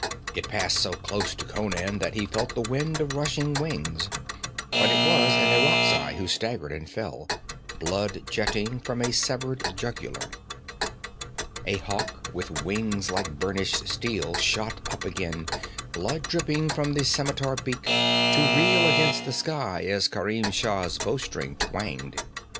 It passed so close to Conan that he felt the wind of rushing wings, but it was an Irakzai who staggered and fell, blood jetting from a severed jugular. A hawk with wings like burnished steel shot up again, blood dripping from the scimitar beak, to reel against the sky as Kerim Shah's bowstring twanged.